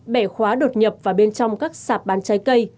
bẻ khóa đột nhập vào bên trong các sạp bán trái cây